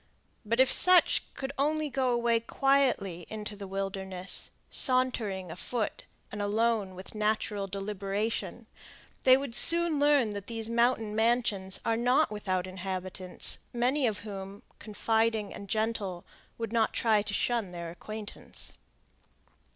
But if such could only go away quietly into the wilderness, sauntering afoot and alone with natural deliberation, they would soon learn that these mountain mansions are not without inhabitants, many of whom, confiding and gentle, would not try to shun their acquaintance.